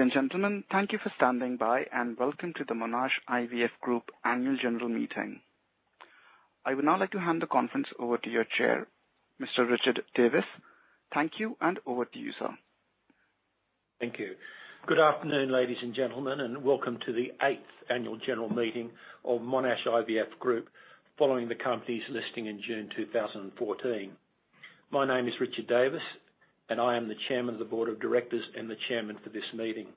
Ladies and gentlemen, thank you for standing by, and welcome to the Monash IVF Group annual general meeting. I would now like to hand the conference over to your Chair, Mr. Richard Davis. Thank you, and over to you, sir. Thank you. Good afternoon, ladies and gentlemen, and welcome to the eighth annual general meeting of Monash IVF Group following the company's listing in June 2014. My name is Richard Davis, and I am the Chairman of the Board of Directors and the Chairman for this meeting.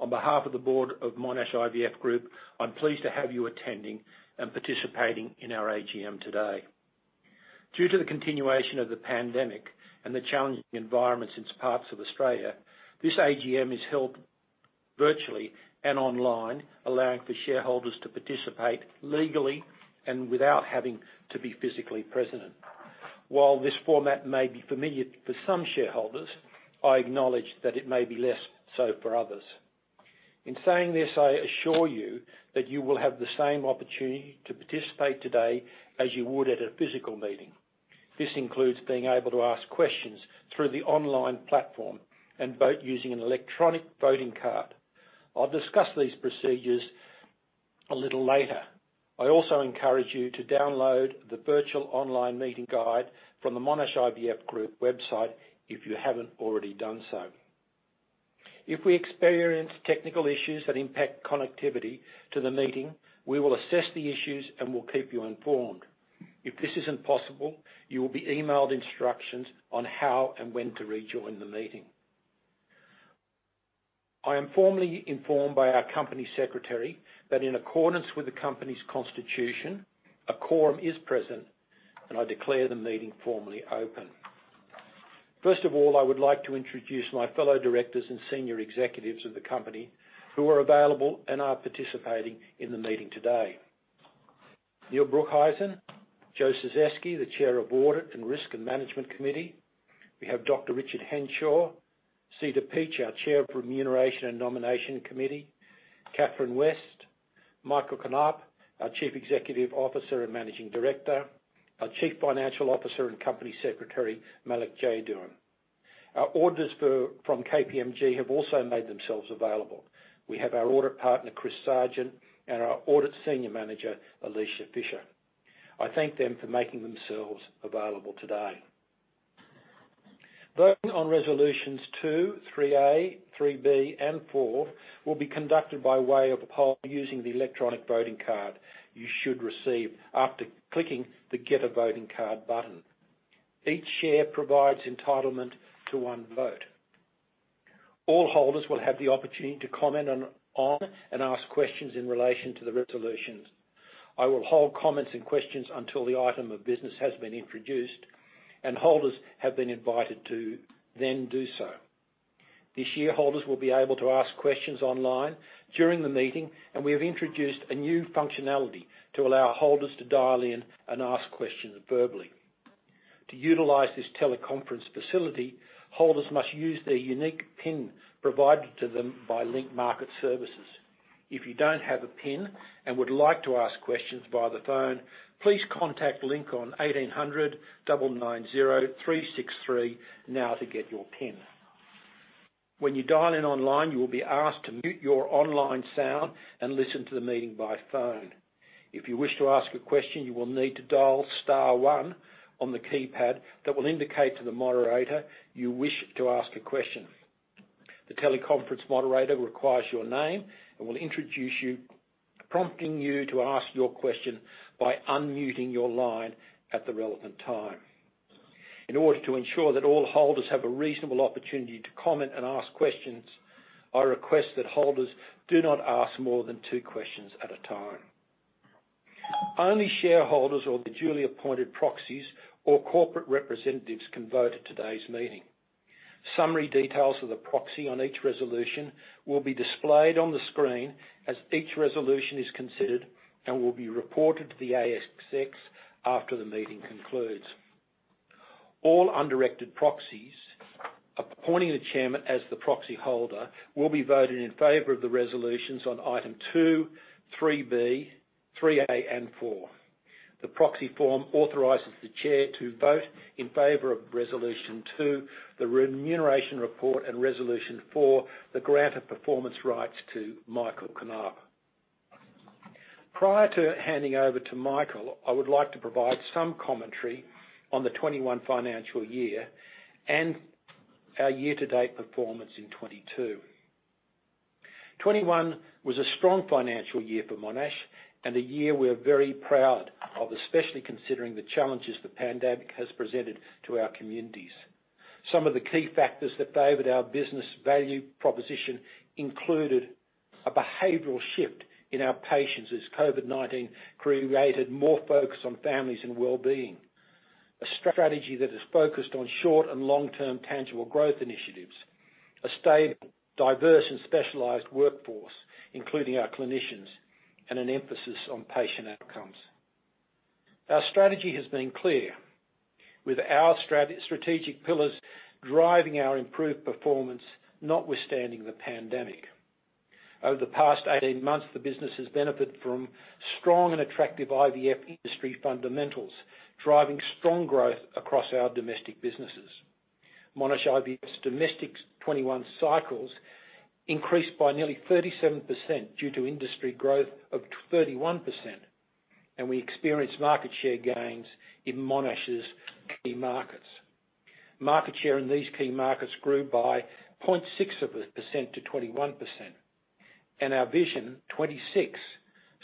On behalf of the Board of Monash IVF Group, I'm pleased to have you attending and participating in our AGM today. Due to the continuation of the pandemic and the challenging environment in parts of Australia, this AGM is held virtually and online, allowing for shareholders to participate legally and without having to be physically present. While this format may be familiar for some shareholders, I acknowledge that it may be less so for others. In saying this, I assure you that you will have the same opportunity to participate today as you would at a physical meeting. This includes being able to ask questions through the online platform and vote using an electronic voting card. I'll discuss these procedures a little later. I also encourage you to download the virtual online meeting guide from the Monash IVF Group website if you haven't already done so. If we experience technical issues that impact connectivity to the meeting, we will assess the issues and we'll keep you informed. If this is impossible, you will be emailed instructions on how and when to rejoin the meeting. I am formally informed by our company secretary that in accordance with the company's constitution, a quorum is present, and I declare the meeting formally open. First of all, I would like to introduce my fellow directors and senior executives of the company who are available and are participating in the meeting today. Neil Broekhuizen, Joe Czyzewski, the Chair of Audit and Risk Management Committee. We have Dr. Richard Henshaw, Zita Peach, our Chair of Remuneration and Nomination Committee, Michael Knaap, our Chief Executive Officer and Managing Director, our Chief Financial Officer and Company Secretary, Malik Jainudeen. Our auditors from KPMG have also made themselves available. We have our Audit Partner, Chris Sargeant, and our Audit Senior Manager, Alicia Fisher. I thank them for making themselves available today. Voting on resolutions two, 3A, 3B, and four will be conducted by way of a poll using the electronic voting card you should receive after clicking the Get a Voting Card button. Each share provides entitlement to one vote. All holders will have the opportunity to comment on and ask questions in relation to the resolutions. I will hold comments and questions until the item of business has been introduced and holders have been invited to then do so. This year, holders will be able to ask questions online during the meeting, and we have introduced a new functionality to allow holders to dial in and ask questions verbally. To utilize this teleconference facility, holders must use their unique PIN provided to them by Link Market Services. If you don't have a PIN and would like to ask questions via the phone, please contact Link on 1800 990 363 now to get your PIN. When you dial in online, you will be asked to mute your online sound and listen to the meeting by phone. If you wish to ask a question, you will need to dial star one on the keypad that will indicate to the moderator you wish to ask a question. The teleconference moderator requires your name and will introduce you, prompting you to ask your question by unmuting your line at the relevant time. In order to ensure that all holders have a reasonable opportunity to comment and ask questions, I request that holders do not ask more than two questions at a time. Only shareholders or the duly appointed proxies or corporate representatives can vote at today's meeting. Summary details of the proxy on each resolution will be displayed on the screen as each resolution is considered and will be reported to the ASX after the meeting concludes. All undirected proxies appointing the Chairman as the proxyholder will be voted in favor of the resolutions on item two, 3B, 3A, and four. The proxy form authorizes the Chair to vote in favor of resolution two, the remuneration report, and resolution four, the grant of performance rights to Michael Knaap. Prior to handing over to Michael, I would like to provide some commentary on the 2021 financial year and our year-to-date performance in 2022. 2021 was a strong financial year for Monash and a year we are very proud of, especially considering the challenges the pandemic has presented to our communities. Some of the key factors that favored our business value proposition included a behavioral shift in our patients as COVID-19 created more focus on families and wellbeing, a strategy that is focused on short and long-term tangible growth initiatives, a stable, diverse, and specialized workforce, including our clinicians, and an emphasis on patient outcomes. Our strategy has been clear, with our strategic pillars driving our improved performance notwithstanding the pandemic. Over the past 18 months, the business has benefited from strong and attractive IVF industry fundamentals, driving strong growth across our domestic businesses. Monash IVF's domestic 21 cycles increased by nearly 37% due to industry growth of 31%, and we experienced market share gains in Monash's key markets. Market share in these key markets grew by 0.6%-21%, and our Vision 2026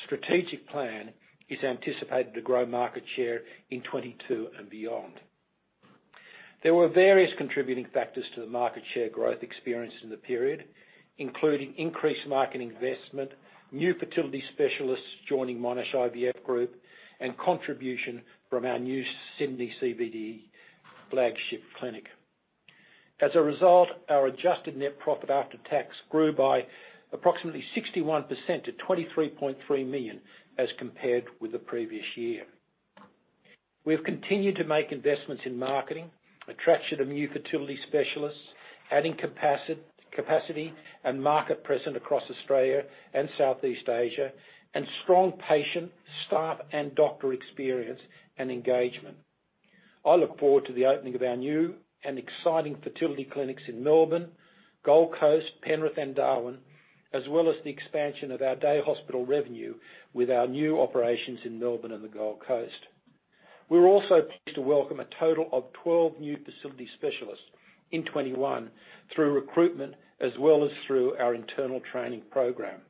strategic plan is anticipated to grow market share in 2022 and beyond. There were various contributing factors to the market share growth experienced in the period, including increased market investment, new fertility specialists joining Monash IVF Group, and contribution from our new Sydney CBD flagship clinic. As a result, our adjusted net profit after tax grew by approximately 61% to 23.3 million as compared with the previous year. We have continued to make investments in marketing, attraction of new fertility specialists, adding capacity and market presence across Australia and Southeast Asia, and strong patient, staff, and doctor experience and engagement. I look forward to the opening of our new and exciting fertility clinics in Melbourne, Gold Coast, Penrith, and Darwin, as well as the expansion of our day hospital revenue with our new operations in Melbourne and the Gold Coast. We're also pleased to welcome a total of 12 new facility specialists in 2021 through recruitment, as well as through our internal training program.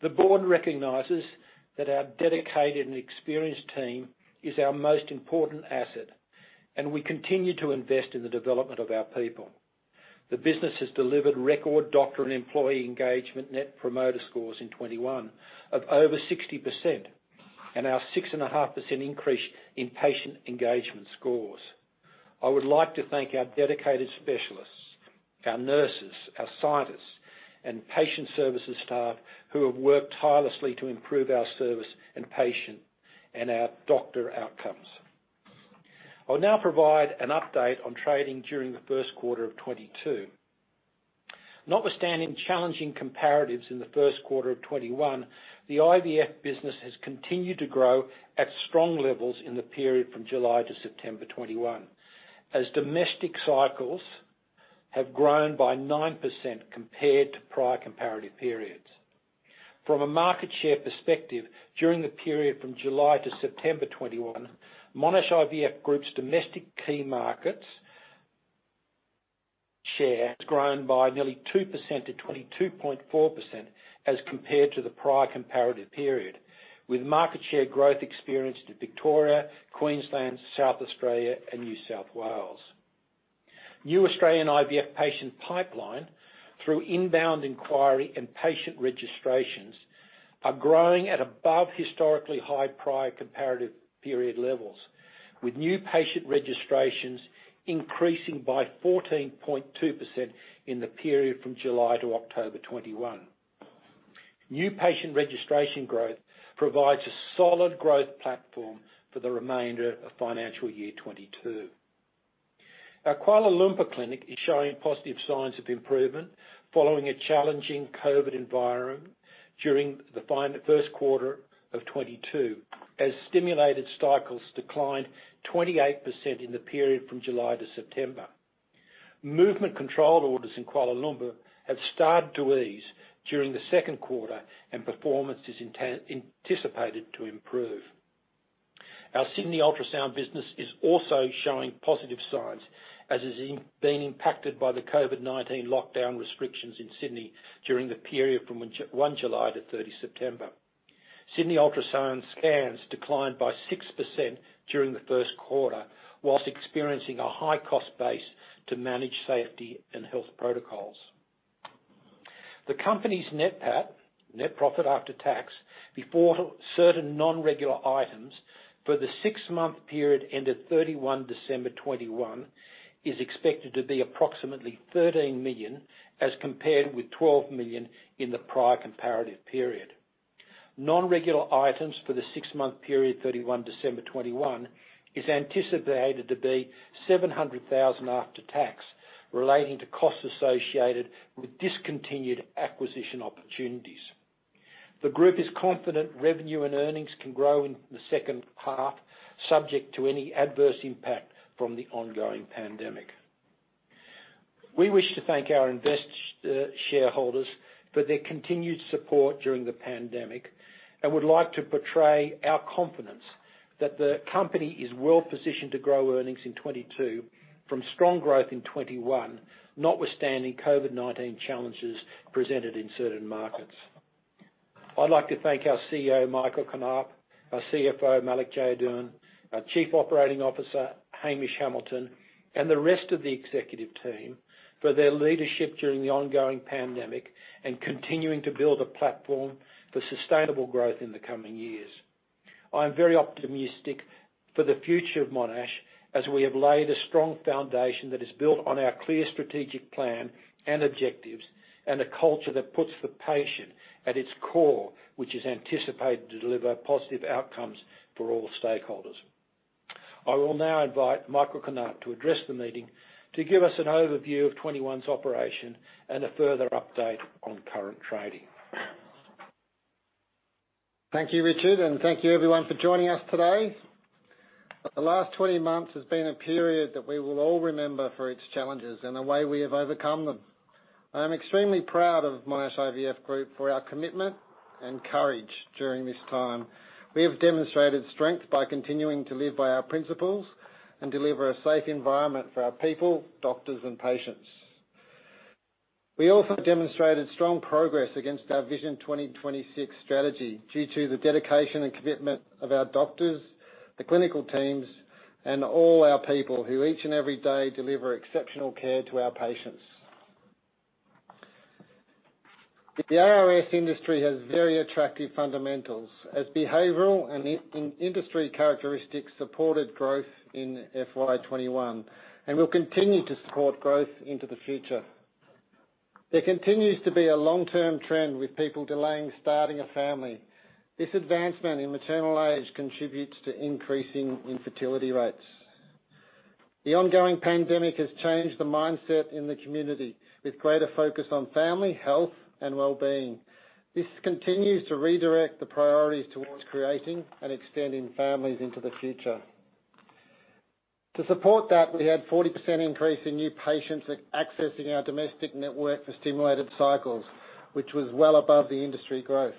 The board recognizes that our dedicated and experienced team is our most important asset, and we continue to invest in the development of our people. The business has delivered record doctor and employee engagement net promoter scores in 2021 of over 60% and our 6.5% increase in patient engagement scores. I would like to thank our dedicated specialists, our nurses, our scientists, and patient services staff who have worked tirelessly to improve our service and patient and our doctor outcomes. I'll now provide an update on trading during the first quarter of 2022. Notwithstanding challenging comparatives in the first quarter of 2021, the IVF business has continued to grow at strong levels in the period from July to September 2021 as domestic cycles have grown by 9% compared to prior comparative periods. From a market share perspective, during the period from July to September 2021, Monash IVF Group's domestic key markets share has grown by nearly 2%-22.4% as compared to the prior comparative period with market share growth experienced in Victoria, Queensland, South Australia, and New South Wales. New Australian IVF patient pipeline through inbound inquiry and patient registrations are growing at above historically high prior comparative period levels, with new patient registrations increasing by 14.2% in the period from July to October 2021. New patient registration growth provides a solid growth platform for the remainder of financial year 2022. Our Kuala Lumpur clinic is showing positive signs of improvement following a challenging COVID environment during the first quarter of 2022, as stimulated cycles declined 28% in the period from July to September. Movement control orders in Kuala Lumpur have started to ease during the second quarter, and performance is anticipated to improve. Our Sydney Ultrasound business is also showing positive signs, as it's been impacted by the COVID-19 lockdown restrictions in Sydney during the period from 1 July to 30 September. Sydney Ultrasound scans declined by 6% during the first quarter while experiencing a high-cost base to manage safety and health protocols. The company's net PAT, net Profit After Tax, before certain non-recurring items for the six-month period ended 31 December 2021 is expected to be approximately 13 million, as compared with 12 million in the prior comparative period. Non-recurring items for the six-month period 31 December 2021 is anticipated to be 700,000 after tax relating to costs associated with discontinued acquisition opportunities. The group is confident revenue and earnings can grow in the second half, subject to any adverse impact from the ongoing pandemic. We wish to thank our investors and shareholders for their continued support during the pandemic and would like to portray our confidence that the company is well-positioned to grow earnings in 2022 from strong growth in 2021, notwithstanding COVID-19 challenges presented in certain markets. I'd like to thank our CEO, Michael Knaap, our CFO, Malik Jainudeen, our Chief Operating Officer, Hamish Hamilton, and the rest of the executive team for their leadership during the ongoing pandemic and continuing to build a platform for sustainable growth in the coming years. I'm very optimistic for the future of Monash, as we have laid a strong foundation that is built on our clear strategic plan and objectives and a culture that puts the patient at its core, which is anticipated to deliver positive outcomes for all stakeholders. I will now invite Michael Knaap to address the meeting to give us an overview of 2021's operations and a further update on current trading. Thank you, Richard, and thank you everyone for joining us today. The last 20 months has been a period that we will all remember for its challenges and the way we have overcome them. I am extremely proud of Monash IVF Group for our commitment and courage during this time. We have demonstrated strength by continuing to live by our principles and deliver a safe environment for our people, doctors, and patients. We also demonstrated strong progress against our Vision 2026 strategy due to the dedication and commitment of our doctors, the clinical teams, and all our people who each and every day deliver exceptional care to our patients. The ARS industry has very attractive fundamentals as behavioral and industry characteristics supported growth in FY 2021 and will continue to support growth into the future. There continues to be a long-term trend with people delaying starting a family. This advancement in maternal age contributes to increasing infertility rates. The ongoing pandemic has changed the mindset in the community with greater focus on family, health, and well-being. This continues to redirect the priorities towards creating and extending families into the future. To support that, we had 40% increase in new patients accessing our domestic network for stimulated cycles, which was well above the industry growth.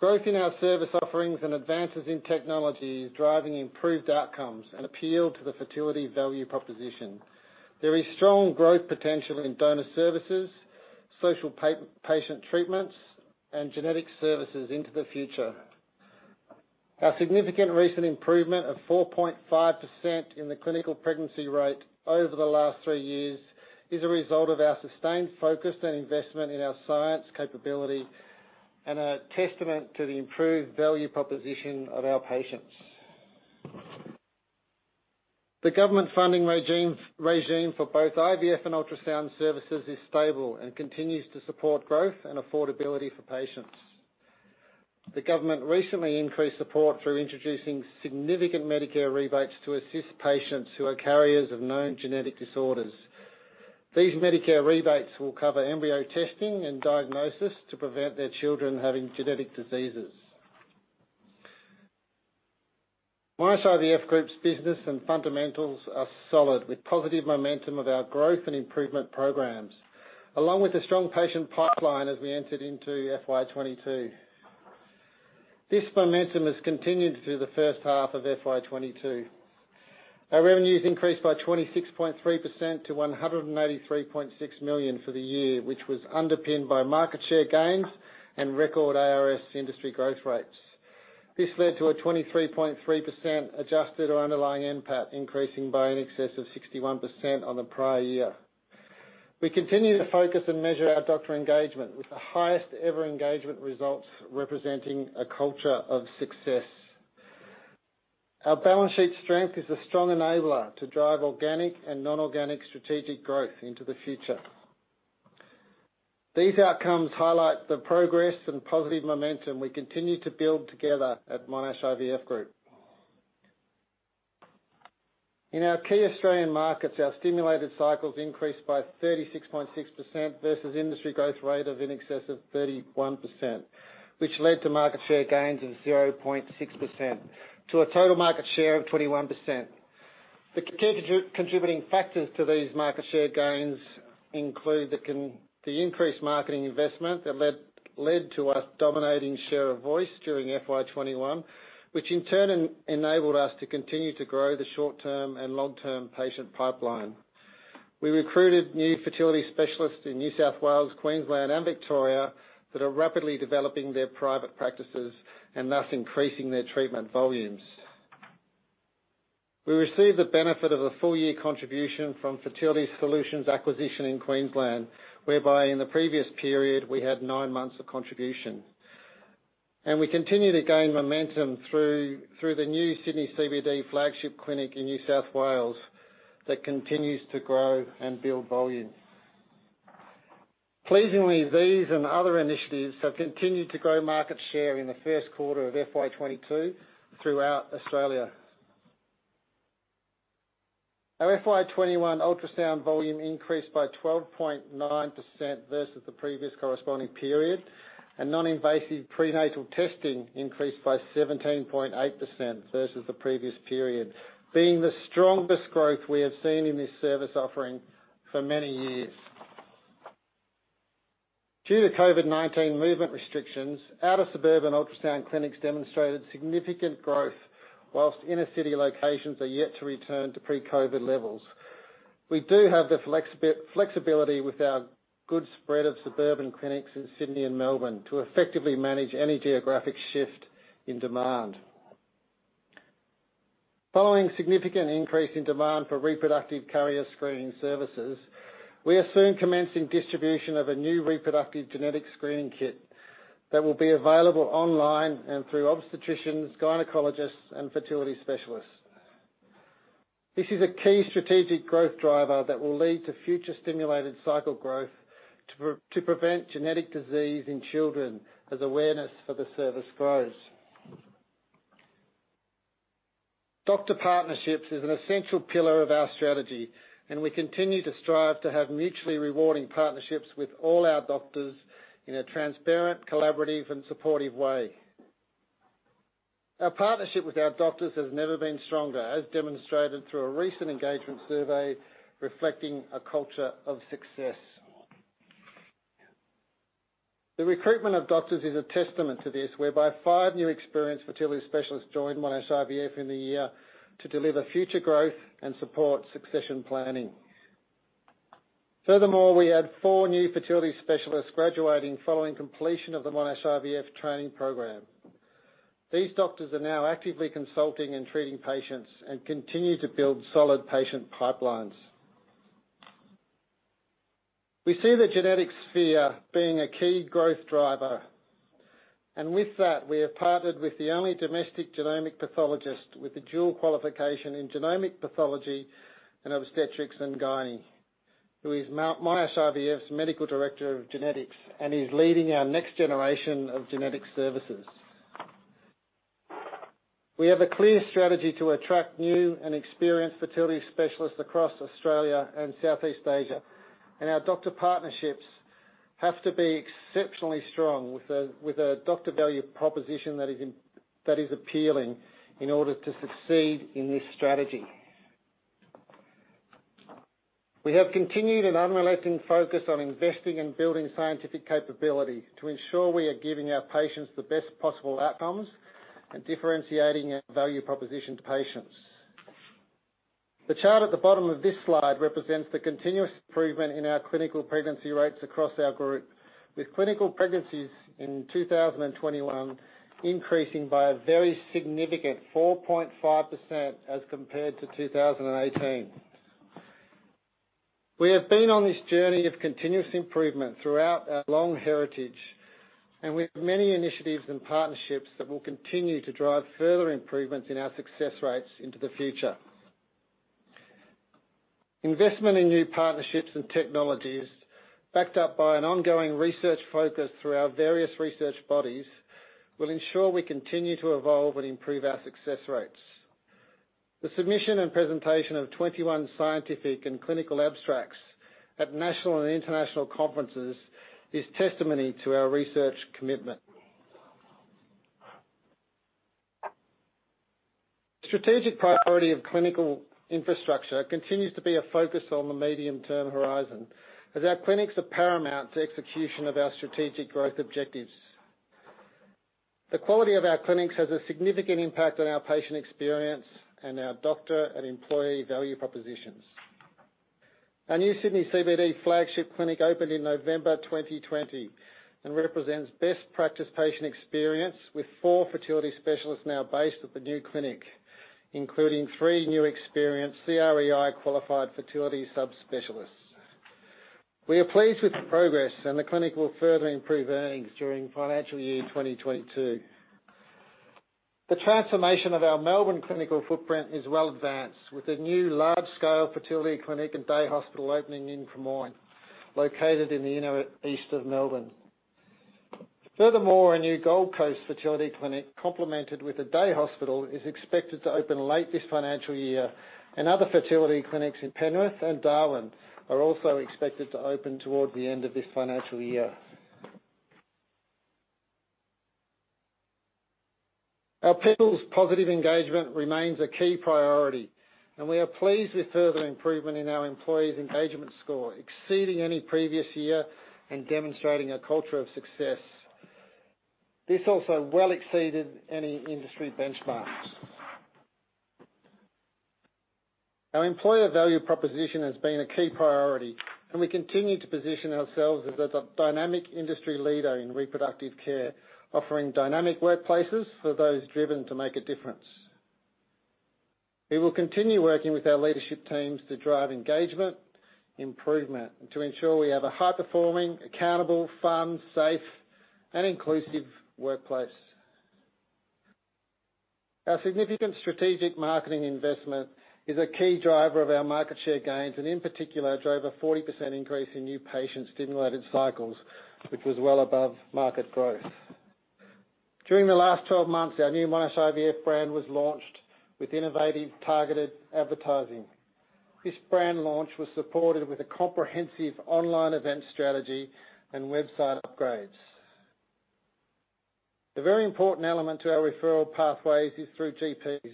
Growth in our service offerings and advances in technology is driving improved outcomes and appeal to the fertility value proposition. There is strong growth potential in donor services, social patient treatments, and genetic services into the future. Our significant recent improvement of 4.5% in the clinical pregnancy rate over the last three years is a result of our sustained focus and investment in our science capability and a testament to the improved value proposition of our patients. The government funding regime for both IVF and ultrasound services is stable and continues to support growth and affordability for patients. The government recently increased support through introducing significant Medicare rebates to assist patients who are carriers of known genetic disorders. These Medicare rebates will cover embryo testing and diagnosis to prevent their children having genetic diseases. Monash IVF Group's business and fundamentals are solid with positive momentum of our growth and improvement programs, along with a strong patient pipeline as we entered into FY 2022. This momentum has continued through the first half of FY 2022. Our revenues increased by 26.3% to 183.6 million for the year, which was underpinned by market share gains and record ARS industry growth rates. This led to a 23.3% adjusted or underlying NPAT, increasing by an excess of 61% on the prior year. We continue to focus and measure our doctor engagement with the highest ever engagement results representing a culture of success. Our balance sheet strength is a strong enabler to drive organic and non-organic strategic growth into the future. These outcomes highlight the progress and positive momentum we continue to build together at Monash IVF Group. In our key Australian markets, our stimulated cycles increased by 36.6% versus industry growth rate of in excess of 31%, which led to market share gains of 0.6% to a total market share of 21%. The key contributing factors to these market share gains include the increased marketing investment that led to us dominating share of voice during FY 2021, which in turn enabled us to continue to grow the short-term and long-term patient pipeline. We recruited new fertility specialists in New South Wales, Queensland and Victoria that are rapidly developing their private practices and thus increasing their treatment volumes. We received the benefit of a full year contribution from Fertility Solutions acquisition in Queensland, whereby in the previous period we had nine months of contribution. We continue to gain momentum through the new Sydney CBD flagship clinic in New South Wales that continues to grow and build volume. Pleasingly, these and other initiatives have continued to grow market share in the first quarter of FY 2022 throughout Australia. Our FY 2021 ultrasound volume increased by 12.9% versus the previous corresponding period, and non-invasive prenatal testing increased by 17.8% versus the previous period, being the strongest growth we have seen in this service offering for many years. Due to COVID-19 movement restrictions, outer suburban ultrasound clinics demonstrated significant growth, while inner-city locations are yet to return to pre-COVID levels. We do have the flexibility with our good spread of suburban clinics in Sydney and Melbourne to effectively manage any geographic shift in demand. Following significant increase in demand for reproductive carrier screening services, we are soon commencing distribution of a new reproductive genetic screening kit that will be available online and through obstetricians, gynecologists and fertility specialists. This is a key strategic growth driver that will lead to future stimulated cycle growth to prevent genetic disease in children as awareness for the service grows. Doctor partnerships is an essential pillar of our strategy, and we continue to strive to have mutually rewarding partnerships with all our doctors in a transparent, collaborative, and supportive way. Our partnership with our doctors has never been stronger, as demonstrated through our recent engagement survey, reflecting a culture of success. The recruitment of doctors is a testament to this, whereby five new experienced fertility specialists joined Monash IVF in the year to deliver future growth and support succession planning. Furthermore, we had four new fertility specialists graduating following completion of the Monash IVF training program. These doctors are now actively consulting and treating patients and continue to build solid patient pipelines. We see the genetic sphere being a key growth driver, and with that, we have partnered with the only domestic genomic pathologist with a dual qualification in genomic pathology and obstetrics and gynecology, who is Monash IVF's Medical Director of Genetics and is leading our next generation of genetic services. We have a clear strategy to attract new and experienced fertility specialists across Australia and Southeast Asia, and our doctor partnerships have to be exceptionally strong with a doctor value proposition that is appealing in order to succeed in this strategy. We have continued an unrelenting focus on investing and building scientific capability to ensure we are giving our patients the best possible outcomes and differentiating our value proposition to patients. The chart at the bottom of this slide represents the continuous improvement in our clinical pregnancy rates across our group, with clinical pregnancies in 2021 increasing by a very significant 4.5% as compared to 2018. We have been on this journey of continuous improvement throughout our long heritage, and we have many initiatives and partnerships that will continue to drive further improvements in our success rates into the future. Investment in new partnerships and technologies, backed up by an ongoing research focus through our various research bodies, will ensure we continue to evolve and improve our success rates. The submission and presentation of 21 scientific and clinical abstracts at national and international conferences is testimony to our research commitment. Strategic priority of clinical infrastructure continues to be a focus on the medium-term horizon, as our clinics are paramount to execution of our strategic growth objectives. The quality of our clinics has a significant impact on our patient experience and our doctor and employee value propositions. Our new Sydney CBD flagship clinic opened in November 2020, and represents best practice patient experience with four fertility specialists now based at the new clinic, including three new experienced CREI-qualified fertility subspecialists. We are pleased with the progress, and the clinic will further improve earnings during financial year 2022. The transformation of our Melbourne clinical footprint is well advanced, with a new large-scale fertility clinic and day hospital opening in Clayton, located in the inner east of Melbourne. Furthermore, a new Gold Coast fertility clinic complemented with a day hospital is expected to open late this financial year, and other fertility clinics in Penrith and Darwin are also expected to open toward the end of this financial year. Our people's positive engagement remains a key priority, and we are pleased with further improvement in our employees' engagement score, exceeding any previous year and demonstrating a culture of success. This also well exceeded any industry benchmarks. Our employer value proposition has been a key priority, and we continue to position ourselves as a dynamic industry leader in reproductive care, offering dynamic workplaces for those driven to make a difference. We will continue working with our leadership teams to drive engagement, improvement, and to ensure we have a high-performing, accountable, fun, safe, and inclusive workplace. Our significant strategic marketing investment is a key driver of our market share gains and, in particular, drove a 40% increase in new patient-stimulated cycles, which was well above market growth. During the last 12 months, our new Monash IVF brand was launched with innovative targeted advertising. This brand launch was supported with a comprehensive online event strategy and website upgrades. The very important element to our referral pathways is through GPs,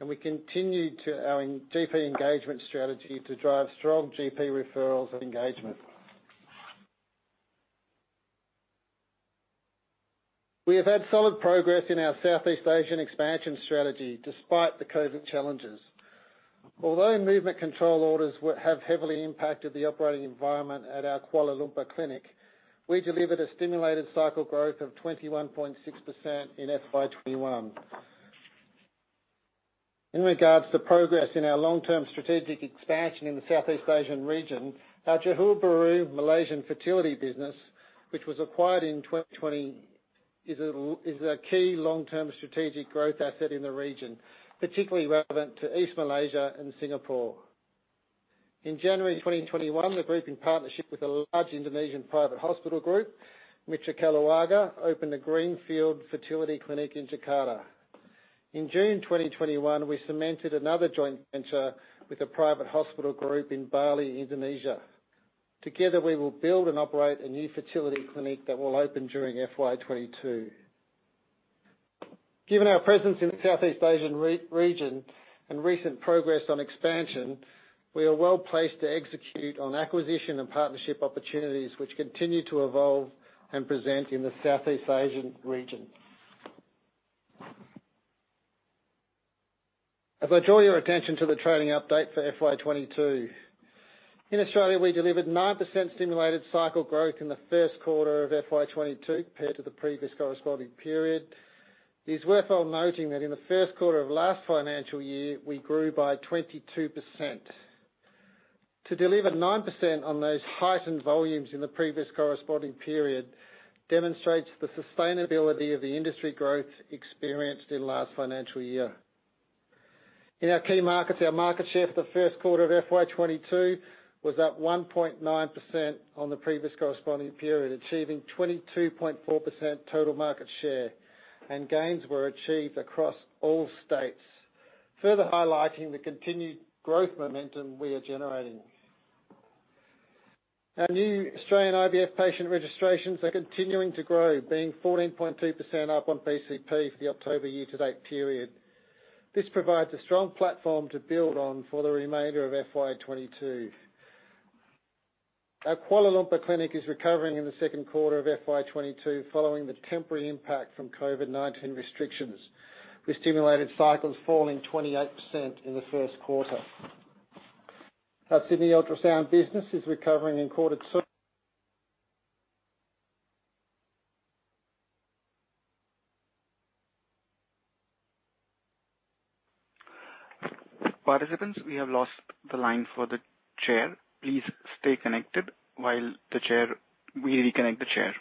and we continue our GP engagement strategy to drive strong GP referrals and engagement. We have had solid progress in our Southeast Asian expansion strategy despite the COVID challenges. Although movement control orders have heavily impacted the operating environment at our Kuala Lumpur clinic, we delivered a stimulated cycle growth of 21.6% in FY 2021. In regards to progress in our long-term strategic expansion in the Southeast Asian region, our Johor Bahru Malaysian fertility business, which was acquired in 2020, is a key long-term strategic growth asset in the region, particularly relevant to East Malaysia and Singapore. In January 2021, the group, in partnership with a large Indonesian private hospital group, Mitra Keluarga, opened a greenfield fertility clinic in Jakarta. In June 2021, we cemented another joint venture with a private hospital group in Bali, Indonesia. Together, we will build and operate a new fertility clinic that will open during FY 2022. Given our presence in the Southeast Asian region and recent progress on expansion, we are well-placed to execute on acquisition and partnership opportunities which continue to evolve and present in the Southeast Asian region. As I draw your attention to the trading update for FY 2022. In Australia, we delivered 9% stimulated cycle growth in the first quarter of FY 2022 compared to the previous corresponding period. It is worthwhile noting that in the first quarter of last financial year, we grew by 22%. To deliver 9% on those heightened volumes in the previous corresponding period demonstrates the sustainability of the industry growth experienced in last financial year. In our key markets, our market share for the first quarter of FY 2022 was at 1.9% on the previous corresponding period, achieving 22.4% total market share and gains were achieved across all states, further highlighting the continued growth momentum we are generating. Our new Australian IVF patient registrations are continuing to grow, being 14.2% up on PCP for the October year-to-date period. This provides a strong platform to build on for the remainder of FY 2022. Our Kuala Lumpur clinic is recovering in the second quarter of FY 2022 following the temporary impact from COVID-19 restrictions, with stimulated cycles falling 28% in the first quarter. Our Sydney Ultrasound business is recovering in quarter two. Participants, we have lost the line for the Chair. Please stay connected while the Chair... We reconnect the Chair.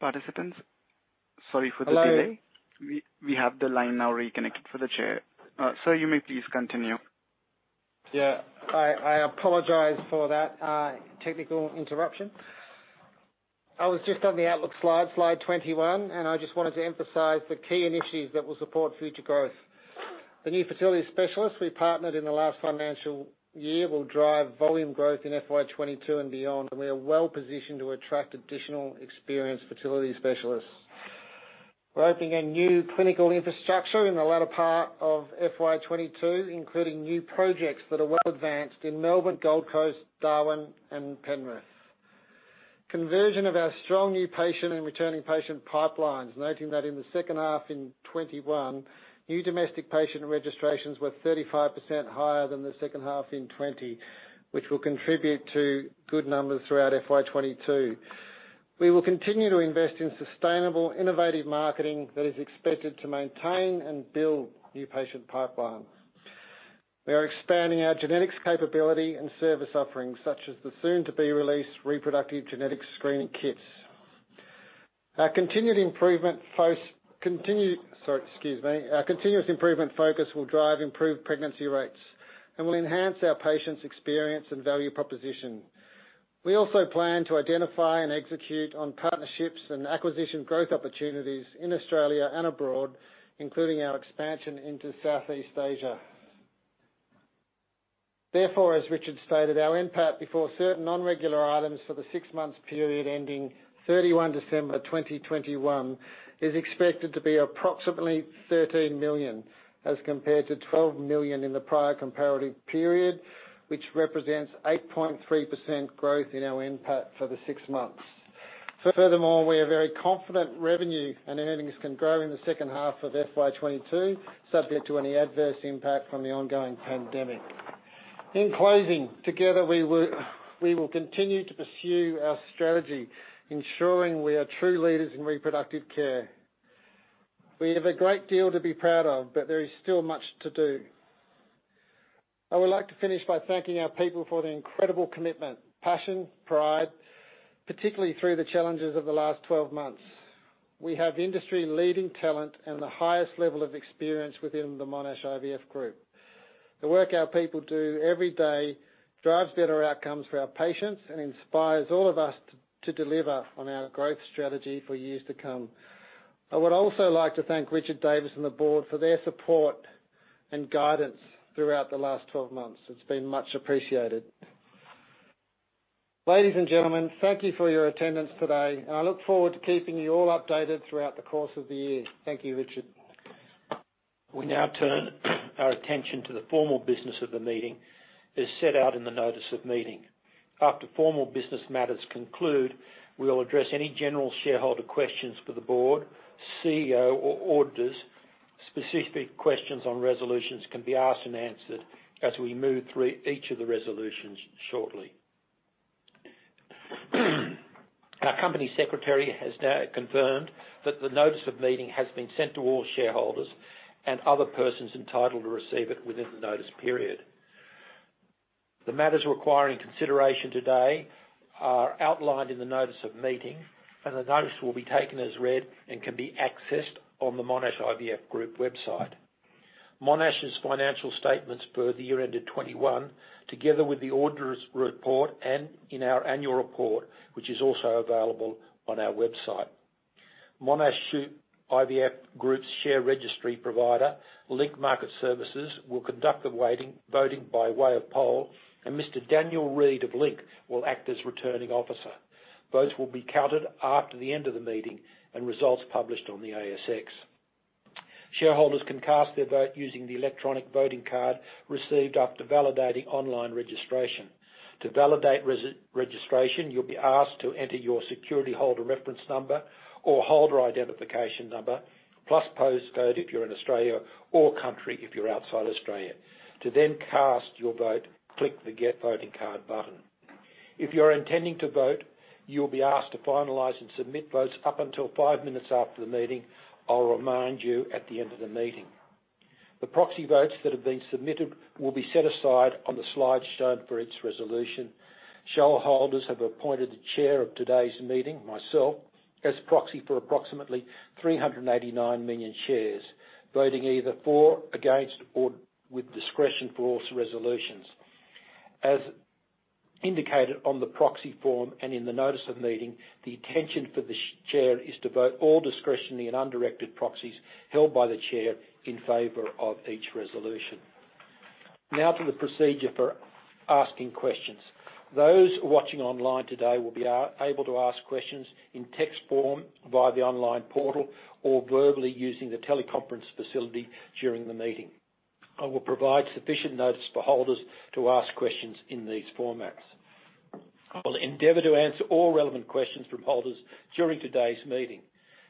Participants, sorry for the delay. Hello. We have the line now reconnected for the Chair. Sir, you may please continue. Yeah. I apologize for that technical interruption. I was just on the outlook slide 21. I just wanted to emphasize the key initiatives that will support future growth. The new fertility specialists we partnered in the last financial year will drive volume growth in FY 2022 and beyond. We are well-positioned to attract additional experienced fertility specialists. We're opening a new clinical infrastructure in the latter part of FY 2022, including new projects that are well-advanced in Melbourne, Gold Coast, Darwin, and Penrith. Conversion of our strong new patient and returning patient pipelines, noting that in the second half in 2021, new domestic patient registrations were 35% higher than the second half in 2020, which will contribute to good numbers throughout FY 2022. We will continue to invest in sustainable, innovative marketing that is expected to maintain and build new patient pipelines. We are expanding our genetics capability and service offerings such as the soon-to-be-released reproductive genetic screening kits. Our continuous improvement focus will drive improved pregnancy rates and will enhance our patients' experience and value proposition. We also plan to identify and execute on partnerships and acquisition growth opportunities in Australia and abroad, including our expansion into Southeast Asia. Therefore, as Richard stated, our NPAT before certain non-regular items for the six months period ending 31 December 2021 is expected to be approximately 13 million, as compared to 12 million in the prior comparative period, which represents 8.3% growth in our NPAT for the six months. Furthermore, we are very confident revenue and earnings can grow in the second half of FY 2022, subject to any adverse impact from the ongoing pandemic. In closing, together, we will continue to pursue our strategy, ensuring we are true leaders in reproductive care. We have a great deal to be proud of, but there is still much to do. I would like to finish by thanking our people for their incredible commitment, passion, pride, particularly through the challenges of the last 12 months. We have industry-leading talent and the highest level of experience within the Monash IVF Group. The work our people do every day drives better outcomes for our patients and inspires all of us to deliver on our growth strategy for years to come. I would also like to thank Richard Davis and the board for their support and guidance throughout the last 12 months. It's been much appreciated. Ladies and gentlemen, thank you for your attendance today, and I look forward to keeping you all updated throughout the course of the year. Thank you, Richard. We now turn our attention to the formal business of the meeting, as set out in the notice of meeting. After formal business matters conclude, we'll address any general shareholder questions for the board, CEO or auditors. Specific questions on resolutions can be asked and answered as we move through each of the resolutions shortly. Our company secretary has now confirmed that the notice of meeting has been sent to all shareholders and other persons entitled to receive it within the notice period. The matters requiring consideration today are outlined in the notice of meeting, and the notice will be taken as read and can be accessed on the Monash IVF Group website. Monash's financial statements for the year ended 2021, together with the auditors' report and in our annual report, which is also available on our website. Monash IVF Group's share registry provider, Link Market Services, will conduct the voting by way of poll, and Mr. Daniel Reid of Link will act as Returning Officer. Votes will be counted after the end of the meeting and results published on the ASX. Shareholders can cast their vote using the electronic voting card received after validating online registration. To validate registration, you'll be asked to enter your security holder reference number or holder identification number, plus postcode if you're in Australia or country if you're outside Australia. To then cast your vote, click the Get Voting Card button. If you're intending to vote, you'll be asked to finalize and submit votes up until five minutes after the meeting. I'll remind you at the end of the meeting. The proxy votes that have been submitted will be set aside on the slide shown for each resolution. Shareholders have appointed the chair of today's meeting, myself, as proxy for approximately 389 million shares, voting either for, against, or with discretion for all resolutions. As indicated on the proxy form and in the notice of meeting, the intention for the chair is to vote all discretionary and undirected proxies held by the chair in favor of each resolution. Now to the procedure for asking questions. Those watching online today will be able to ask questions in text form via the online portal or verbally using the teleconference facility during the meeting. I will provide sufficient notice for holders to ask questions in these formats. I will endeavor to answer all relevant questions from holders during today's meeting.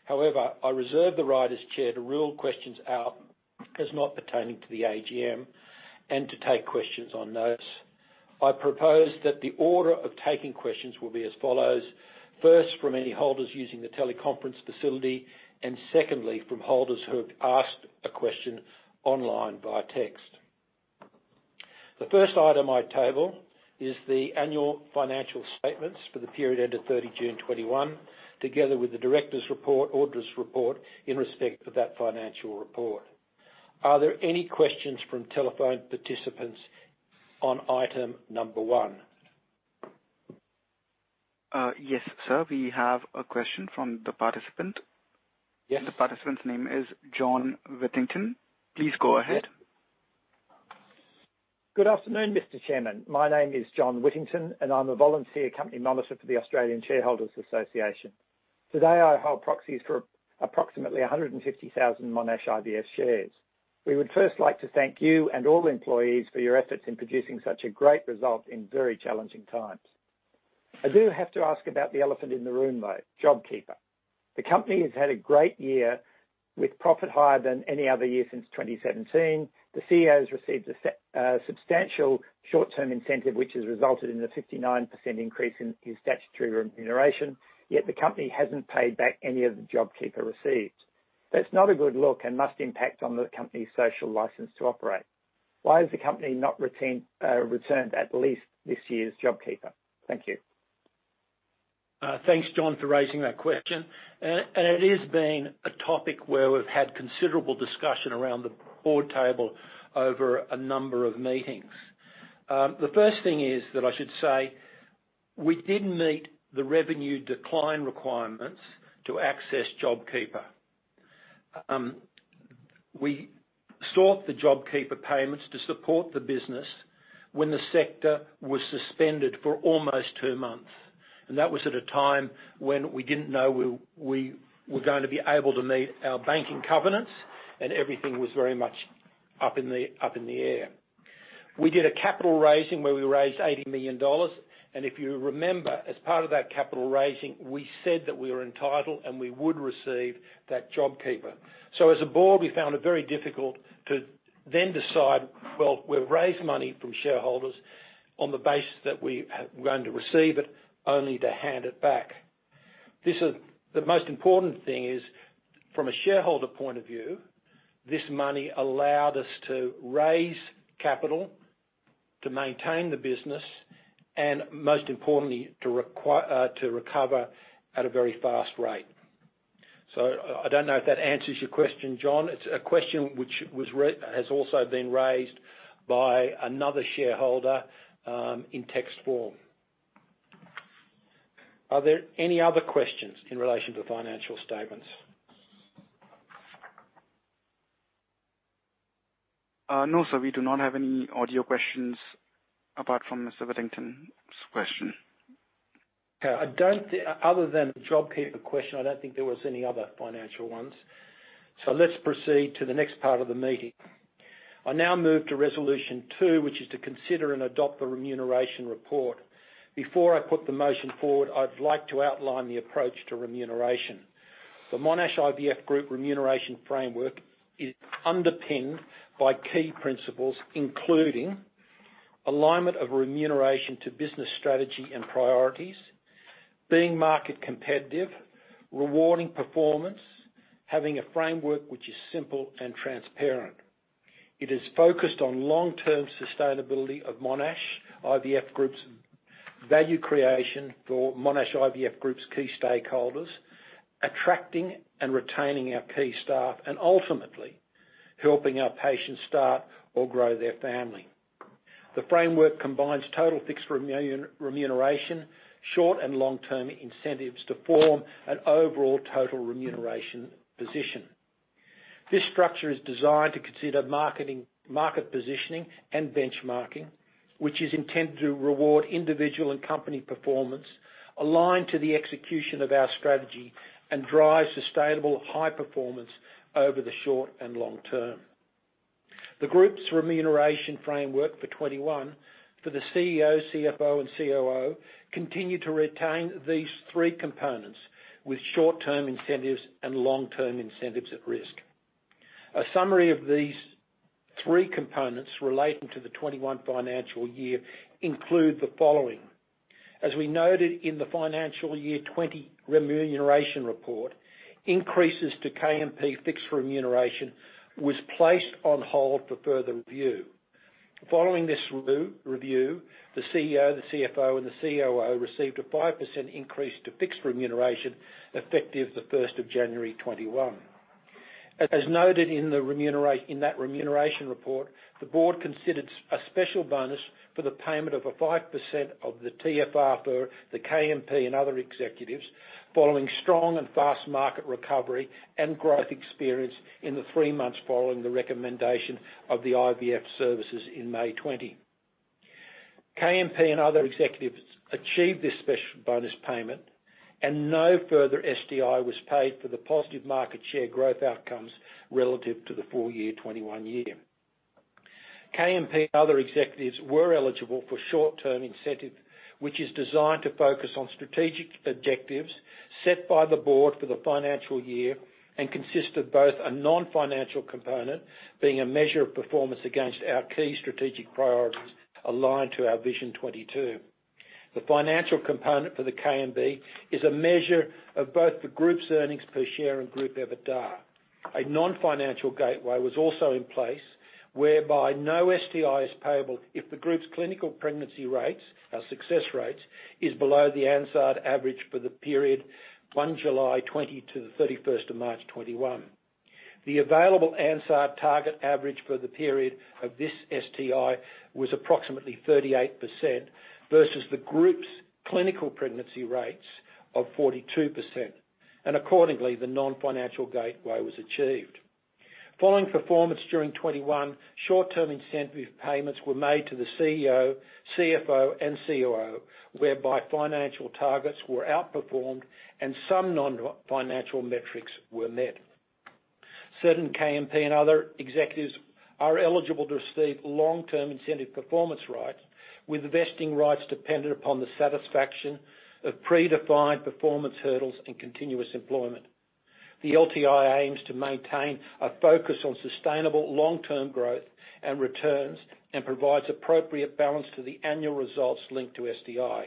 However, I reserve the right as chair to rule questions out as not pertaining to the AGM and to take questions on notice. I propose that the order of taking questions will be as follows: first, from any holders using the teleconference facility, and secondly, from holders who have asked a question online via text. The first item I table is the annual financial statements for the period ended 30 June 2021, together with the directors' report, auditors' report in respect of that financial report. Are there any questions from telephone participants on item number one? Yes, sir. We have a question from the participant. Yes. The participant's name is John Whittington. Please go ahead. Good afternoon, Mr. Chairman. My name is John Whittington, and I'm a volunteer company monitor for the Australian Shareholders' Association. Today, I hold proxies for approximately 150,000 Monash IVF shares. We would first like to thank you and all the employees for your efforts in producing such a great result in very challenging times. I do have to ask about the elephant in the room, though: JobKeeper. The company has had a great year with profit higher than any other year since 2017. The CEO has received a substantial short-term incentive, which has resulted in a 59% increase in his statutory remuneration, yet the company hasn't paid back any of the JobKeeper received. That's not a good look and must impact on the company's social license to operate. Why has the company not returned at least this year's JobKeeper? Thank you. Thanks, John, for raising that question. It has been a topic where we've had considerable discussion around the board table over a number of meetings. The first thing is that I should say, we didn't meet the revenue decline requirements to access JobKeeper. We sought the JobKeeper payments to support the business when the sector was suspended for almost two months, and that was at a time when we didn't know we were gonna be able to meet our banking covenants and everything was very much up in the air. We did a capital raising where we raised 80 million dollars, and if you remember, as part of that capital raising, we said that we were entitled and we would receive that JobKeeper. As a board, we found it very difficult to then decide, well, we've raised money from shareholders on the basis that we were going to receive it, only to hand it back. The most important thing is, from a shareholder point of view, this money allowed us to raise capital to maintain the business and most importantly, to recover at a very fast rate. I don't know if that answers your question, John. It's a question which has also been raised by another shareholder, in text form. Are there any other questions in relation to financial statements? No, sir. We do not have any audio questions apart from Mr. Whittington's question. Okay. Other than the JobKeeper question, I don't think there was any other financial ones. Let's proceed to the next part of the meeting. I now move to Resolution two, which is to consider and adopt the Remuneration Report. Before I put the motion forward, I'd like to outline the approach to remuneration. The Monash IVF Group remuneration framework is underpinned by key principles, including alignment of remuneration to business strategy and priorities, being market competitive, rewarding performance, having a framework which is simple and transparent. It is focused on long-term sustainability of Monash IVF Group's value creation for Monash IVF Group's key stakeholders, attracting and retaining our key staff, and ultimately helping our patients start or grow their family. The framework combines total fixed remuneration, short and long-term incentives to form an overall total remuneration position. This structure is designed to consider marketing, market positioning and benchmarking, which is intended to reward individual and company performance, align to the execution of our strategy, and drive sustainable high performance over the short and long term. The Group's remuneration framework for 2021 for the CEO, CFO, and COO continue to retain these three components with short-term incentives and long-term incentives at risk. A summary of these three components relating to the 2021 financial year include the following: As we noted in the financial year 2020 remuneration report, increases to KMP fixed remuneration was placed on hold for further review. Following this review, the CEO, the CFO and the COO received a 5% increase to fixed remuneration effective the 1st January 2021. As noted in that remuneration report, the board considered a special bonus for the payment of 5% of the TFR for the KMP and other executives following strong and fast market recovery and growth experienced in the three months following the recommencement of the IVF services in May 2020. KMP and other executives achieved this special bonus payment, and no further STI was paid for the positive market share growth outcomes relative to the full year 2021. KMP and other executives were eligible for short-term incentive, which is designed to focus on strategic objectives set by the board for the financial year, and consist of both a non-financial component, being a measure of performance against our key strategic priorities aligned to our Vision 2022. The financial component for the KMP is a measure of both the group's earnings per share and group EBITDA. A non-financial gateway was also in place whereby no STI is payable if the group's clinical pregnancy rates, our success rates, is below the ANZARD average for the period 1 July 2020 to 31st March 2021. The available ANZARD target average for the period of this STI was approximately 38% versus the group's clinical pregnancy rates of 42%. Accordingly, the non-financial gateway was achieved. Following performance during 2021, short-term incentive payments were made to the CEO, CFO and COO, whereby financial targets were outperformed and some non-financial metrics were met. Certain KMP and other executives are eligible to receive long-term incentive performance rights with vesting rights dependent upon the satisfaction of predefined performance hurdles and continuous employment. The LTI aims to maintain a focus on sustainable long-term growth and returns, and provides appropriate balance to the annual results linked to STI.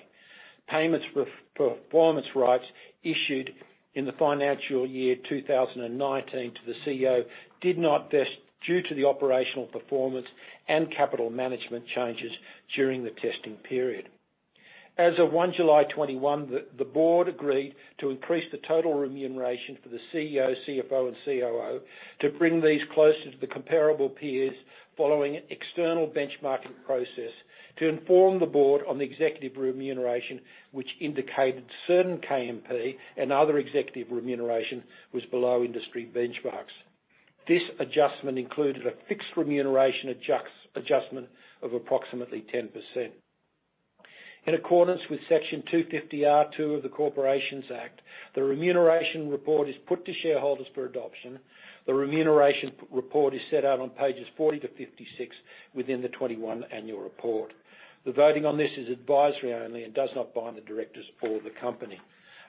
Payments for performance rights issued in the financial year 2019 to the CEO did not vest due to the operational performance and capital management changes during the testing period. As of 1 July 2021, the board agreed to increase the total remuneration for the CEO, CFO and COO to bring these closer to the comparable peers following an external benchmarking process to inform the board on the executive remuneration, which indicated certain KMP and other executive remuneration was below industry benchmarks. This adjustment included a fixed remuneration adjustment of approximately 10%. In accordance with Section 250R(2) of the Corporations Act, the remuneration report is put to shareholders for adoption. The Remuneration Report is set out on pages 40-56 within the 2021 Annual Report. The voting on this is advisory only and does not bind the directors for the company.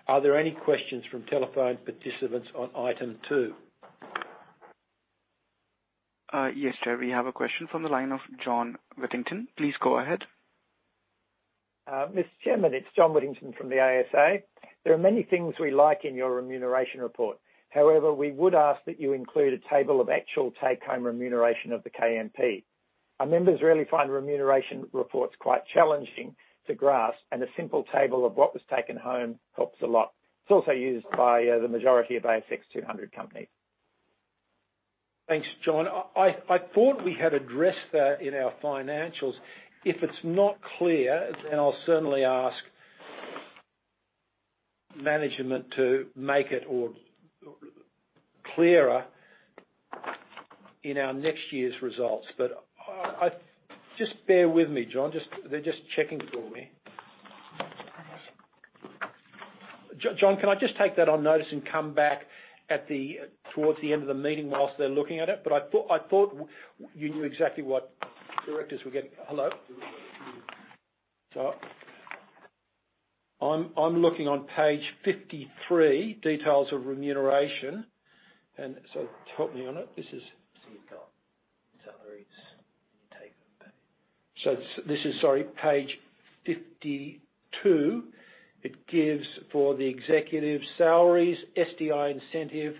Are there any questions from telephone participants on item two? Yes, Chair. We have a question from the line of John Whittington. Please go ahead. Mr. Chairman, it's John Whittington from the ASA. There are many things we like in your remuneration report. However, we would ask that you include a table of actual take-home remuneration of the KMP. Our members really find remuneration reports quite challenging to grasp, and a simple table of what was taken home helps a lot. It's also used by the majority of ASX 200 companies. Thanks, John. I thought we had addressed that in our financials. If it's not clear, then I'll certainly ask management to make it clearer in our next year's results. Just bear with me, John. They're just checking for me. John, can I just take that on notice and come back towards the end of the meeting whilst they're looking at it? I thought you knew exactly what directors would get. Hello? I'm looking on page 53, Details of Remuneration. Help me on it. This is You've got salaries taken. This is, sorry, page 52. It gives for the executive salaries, STI incentive,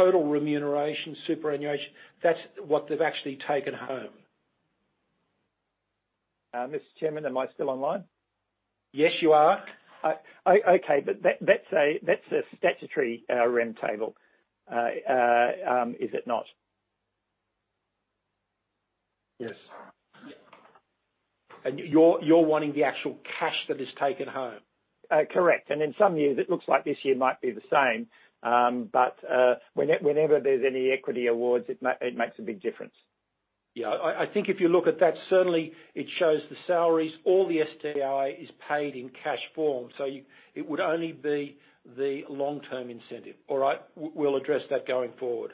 total remuneration, superannuation. That's what they've actually taken home. Mr. Chairman, am I still online? Yes, you are. Okay. That's a statutory rem table, is it not? Yes. You're wanting the actual cash that is taken home? Correct. In some years, it looks like this year might be the same. Whenever there's any equity awards, it makes a big difference. Yeah, I think if you look at that, certainly it shows the salaries. All the STI is paid in cash form. It would only be the long-term incentive. All right. We'll address that going forward.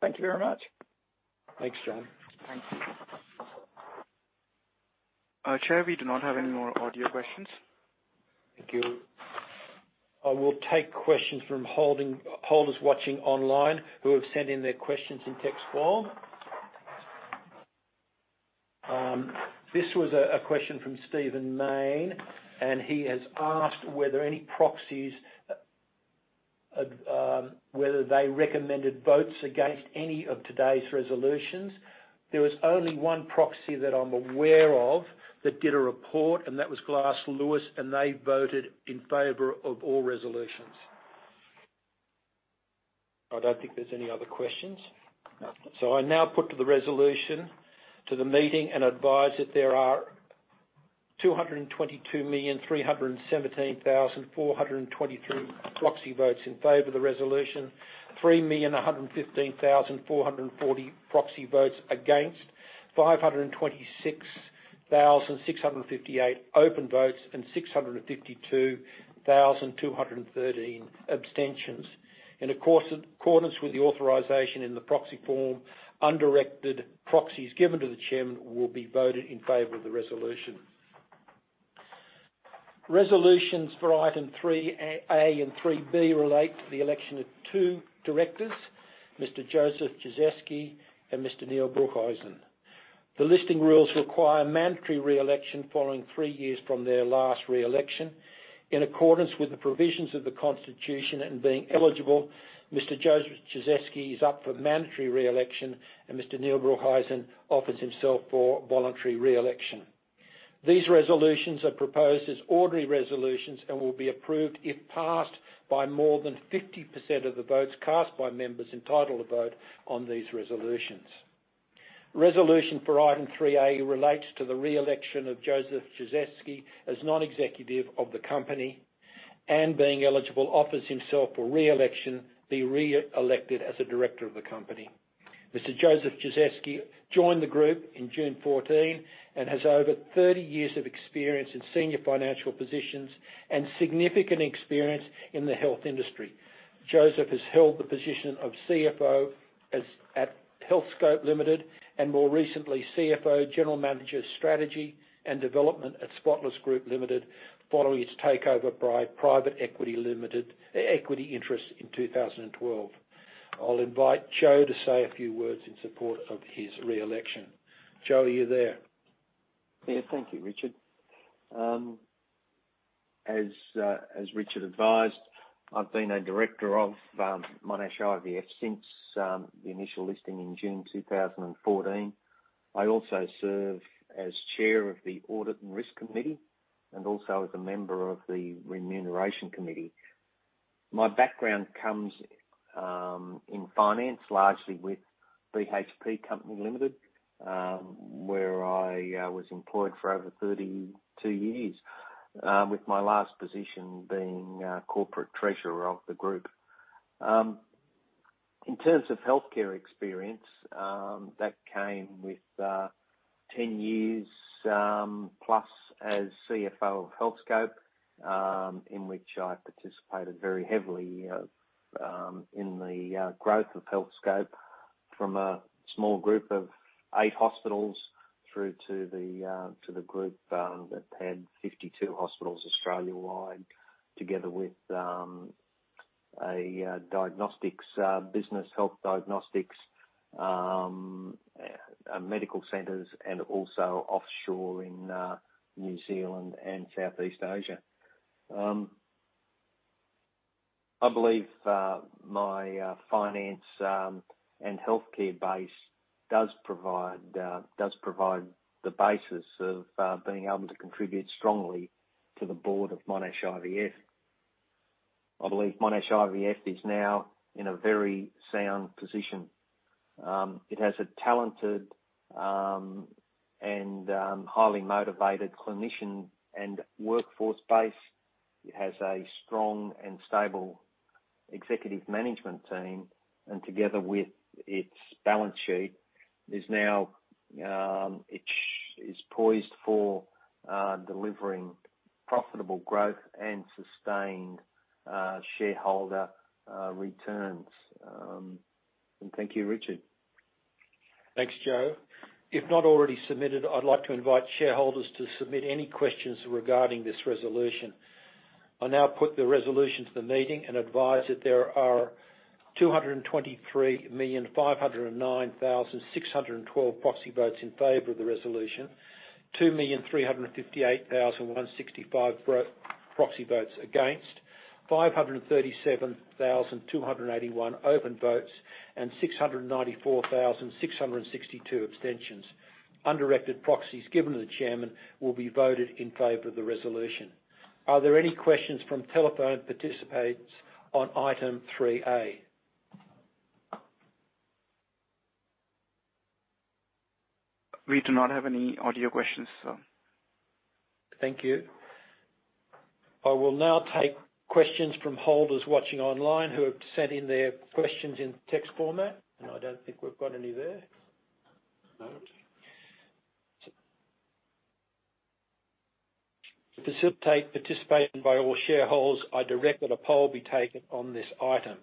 Thank you very much. Thanks, John. Thanks. Chair, we do not have any more audio questions. Thank you. I will take questions from holders watching online who have sent in their questions in text form. This was a question from Stephen Mayne, and he has asked were there any proxies whether they recommended votes against any of today's resolutions. There was only one proxy that I'm aware of that did a report, and that was Glass Lewis, and they voted in favor of all resolutions. I don't think there's any other questions. I now put the resolution to the meeting and advise that there are 222,317,423 proxy votes in favor of the resolution, 3,115,440 proxy votes against, 526,658 open votes, and 652,213 abstentions. In accordance with the authorization in the proxy form, undirected proxies given to the chairman will be voted in favor of the resolution. Resolutions for item 3A and 3B relate to the election of two directors, Mr. Josef Czyzewski and Mr. Neil Broekhuizen. The Listing Rules require mandatory re-election following three years from their last re-election. In accordance with the provisions of the Constitution and being eligible, Mr. Josef Czyzewski is up for mandatory re-election and Mr. Neil Broekhuizen offers himself for voluntary re-election. These resolutions are proposed as ordinary resolutions and will be approved if passed by more than 50% of the votes cast by members entitled to vote on these resolutions. Resolution for item 3A relates to the re-election of Josef Czyzewski as non-executive of the company, and being eligible, offers himself for re-election, be re-elected as a Director of the company. Mr. Josef Czyzewski joined the group in June 2014 and has over 30 years of experience in senior financial positions and significant experience in the health industry. Josef has held the position of CFO at Healthscope Limited and more recently, CFO, General Manager, Strategy and Development at Spotless Group Holdings Limited, following its takeover by private equity in 2012. I'll invite Joe to say a few words in support of his re-election. Joe, are you there? Yes. Thank you, Richard. As Richard advised, I've been a Director of Monash IVF since the initial listing in June 2014. I also serve as Chair of the Audit and Risk Committee, and also as a member of the Remuneration Committee. My background comes in finance, largely with BHP Group Limited, where I was employed for over 32 years, with my last position being corporate treasurer of the group. In terms of healthcare experience, that came with 10+ years as CFO of Healthscope, in which I participated very heavily in the growth of Healthscope from a small group of eight hospitals through to the group that had 52 hospitals Australia-wide, together with a diagnostics business Health Diagnostics, medical centers and also offshore in New Zealand and Southeast Asia. I believe my finance and healthcare base does provide the basis of being able to contribute strongly to the board of Monash IVF. I believe Monash IVF is now in a very sound position. It has a talented and highly motivated clinician and workforce base. It has a strong and stable executive management team, and together with its balance sheet, is now poised for delivering profitable growth and sustained shareholder returns. Thank you, Richard. Thanks, Joe. If not already submitted, I'd like to invite shareholders to submit any questions regarding this resolution. I now put the resolution to the meeting and advise that there are 223,509,612 proxy votes in favor of the resolution, 2,358,165 proxy votes against, 537,281 open votes, and 694,662 abstentions. Undirected proxies given to the chairman will be voted in favor of the resolution. Are there any questions from telephone participants on Item 3A? We do not have any audio questions, sir. Thank you. I will now take questions from holders watching online who have sent in their questions in text format. No, I don't think we've got any there. To facilitate participation by all shareholders, I direct that a poll be taken on this item.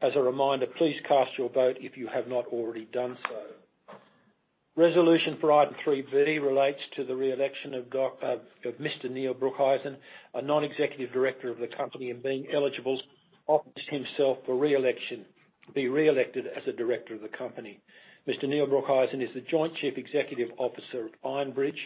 As a reminder, please cast your vote if you have not already done so. Resolution for Item 3 B relates to the re-election of Mr. Neil Broekhuizen, a Non-Executive Director of the company, and being eligible, offers himself to be re-elected as a Director of the company. Mr. Neil Broekhuizen is the joint Chief Executive Officer of Ironbridge.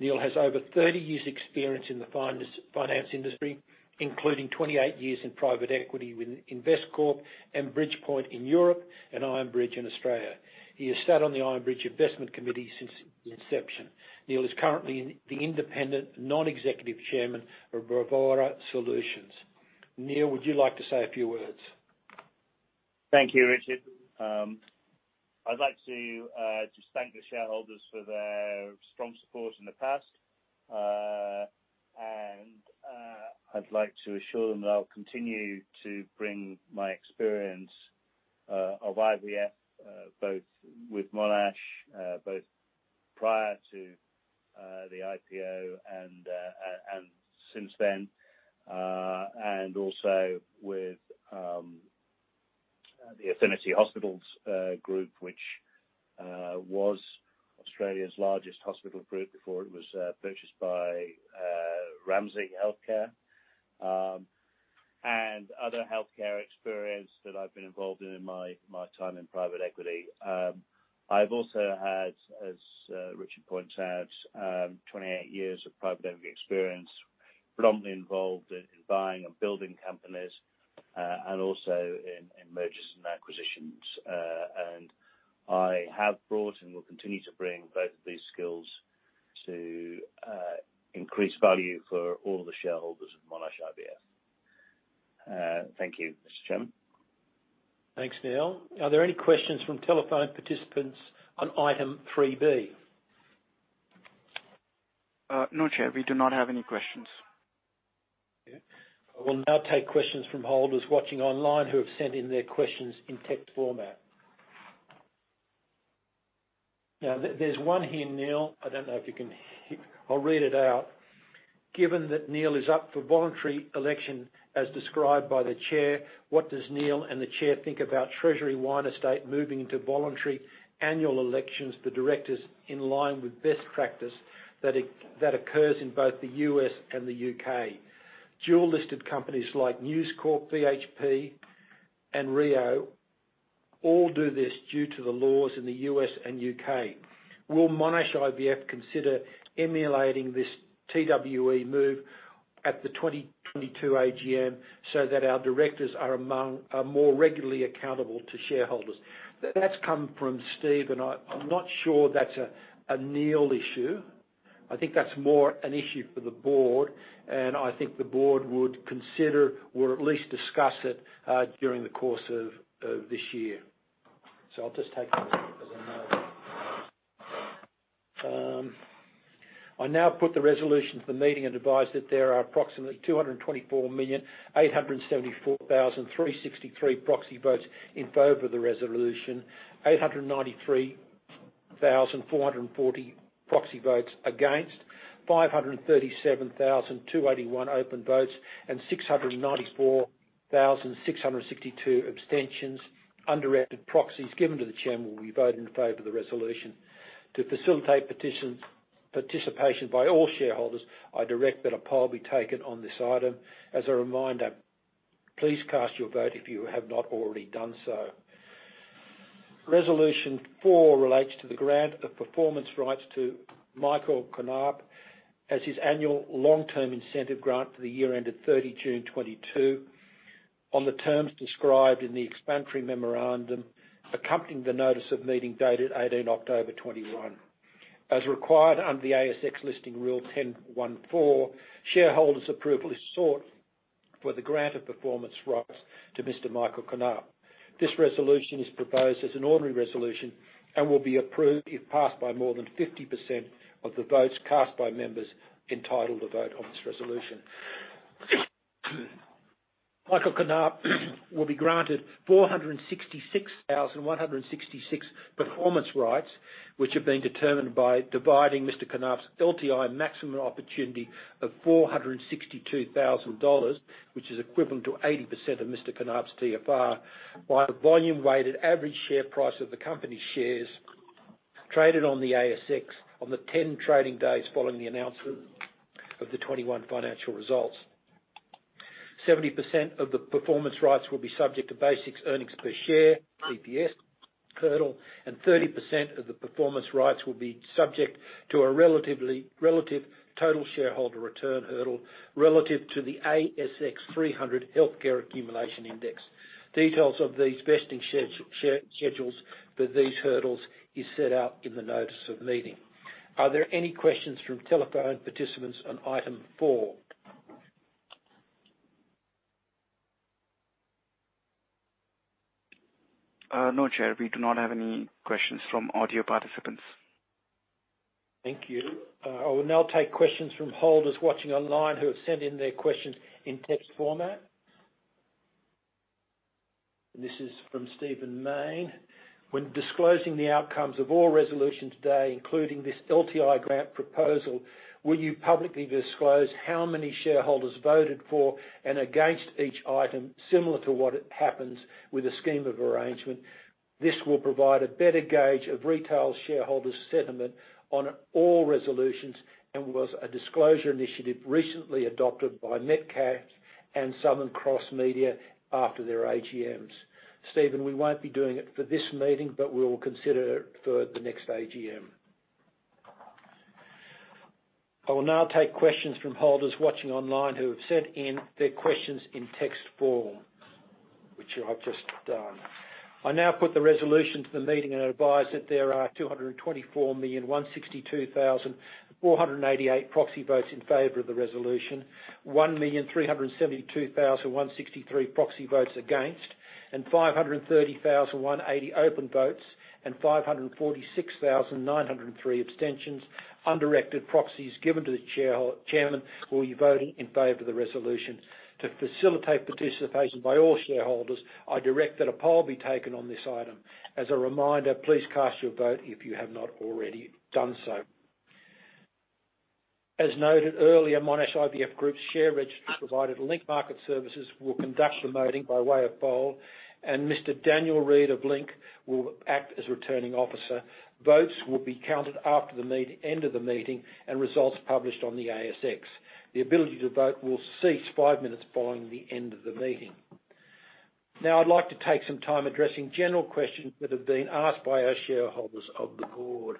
Neil has over 30 years' experience in the finance industry, including 28 years in private equity with Investcorp and Bridgepoint in Europe and Ironbridge in Australia. He has sat on the Ironbridge Investment Committee since its inception. Neil is currently the Independent Non-Executive Chairman of Bravura Solutions. Neil, would you like to say a few words? Thank you, Richard. I'd like to just thank the shareholders for their strong support in the past, and I'd like to assure them that I'll continue to bring my experience of IVF, both with Monash, both prior to the IPO and since then, and also with the Affinity Hospitals group, which was Australia's largest hospital group before it was purchased by Ramsay Health Care, and other healthcare experience that I've been involved in in my time in private equity. I've also had, as Richard points out, 28 years of private equity experience, predominantly involved in buying and building companies, and also in mergers and acquisitions. I have brought and will continue to bring both of these skills to increase value for all the shareholders of Monash IVF. Thank you, Mr. Chairman. Thanks, Neil. Are there any questions from telephone participants on Item 3B? No, Chair, we do not have any questions. Okay. I will now take questions from holders watching online who have sent in their questions in text format. Now, there's one here, Neil. I don't know if you can hear. I'll read it out. Given that Neil is up for voluntary election as described by the chair, what does Neil and the chair think about Treasury Wine Estates moving into voluntary annual elections for directors in line with best practice that occurs in both the U.S. and the U.K.? Dual-listed companies like News Corp, BHP and Rio Tinto all do this due to the laws in the U.S. and U.K. Will Monash IVF consider emulating this TWE move at the 2022 AGM so that our directors are more regularly accountable to shareholders? That's come from Steve and I. I'm not sure that's a Neil issue. I think that's more an issue for the board, and I think the board would consider or at least discuss it during the course of this year. I'll just take that as a note. I now put the resolution to the meeting and advise that there are approximately 224,874,363 proxy votes in favor of the resolution. 893,440 proxy votes against. 537,281 open votes and 694,662 abstentions. Undirected proxies given to the chair will be voting in favor of the resolution. To facilitate participation by all shareholders, I direct that a poll be taken on this item. As a reminder, please cast your vote if you have not already done so. Resolution four relates to the grant of performance rights to Michael Knaap as his annual long-term incentive grant for the year ended 30 June 2022 on the terms described in the explanatory memorandum accompanying the notice of meeting dated 18 October 2021. As required under the ASX Listing Rule 10.14, shareholders' approval is sought for the grant of performance rights to Mr. Michael Knaap. This resolution is proposed as an ordinary resolution and will be approved if passed by more than 50% of the votes cast by members entitled to vote on this resolution. Michael Knaap will be granted 466,166 performance rights, which have been determined by dividing Mr. Michael Knaap's LTI maximum opportunity of 462,000 dollars, which is equivalent to 80% of Mr. Knaap's TFR, by the volume-weighted average share price of the company's shares traded on the ASX on the 10 trading days following the announcement of the 2021 financial results. 70% of the performance rights will be subject to basic earnings per share, EPS hurdle, and 30% of the performance rights will be subject to a relative total shareholder return hurdle relative to the ASX 300 Health Care Index. Details of these vesting schedules for these hurdles is set out in the notice of meeting. Are there any questions from telephone participants on item four? No, Chair, we do not have any questions from audio participants. Thank you. I will now take questions from holders watching online who have sent in their questions in text format. This is from Stephen Mayne. When disclosing the outcomes of all resolutions today, including this LTI grant proposal, will you publicly disclose how many shareholders voted for and against each item, similar to what happens with a scheme of arrangement? This will provide a better gauge of retail shareholders' sentiment on all resolutions and was a disclosure initiative recently adopted by Metcash and Southern Cross Media after their AGMs. Stephen, we won't be doing it for this meeting, but we will consider it for the next AGM. I will now take questions from holders watching online who have sent in their questions in text form, which I've just done. I now put the resolution to the meeting and advise that there are 224,162,488 proxy votes in favor of the resolution. 1,372,163 proxy votes against. 530,180 open votes, and 546,903 abstentions. Undirected proxies given to the chairman will be voting in favor of the resolution. To facilitate participation by all shareholders, I direct that a poll be taken on this item. As a reminder, please cast your vote if you have not already done so. As noted earlier, Monash IVF Group's share registry provider, Link Market Services, will conduct the voting by way of poll, and Mr. Daniel Reid of Link will act as Returning Officer. Votes will be counted after the end of the meeting and results published on the ASX. The ability to vote will cease five minutes following the end of the meeting. Now, I'd like to take some time addressing general questions that have been asked by our shareholders of the board.